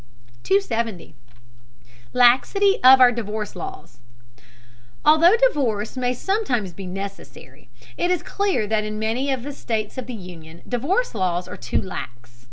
270. LAXITY OF OUR DIVORCE LAWS. Although divorce may sometimes be necessary, it is clear that in many of the states of the Union divorce laws are too lax.